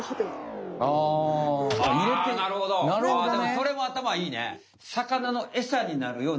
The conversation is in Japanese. それも頭いいね！